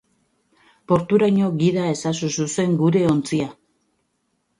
Porturaino gida ezazu zuzen gure ontzia.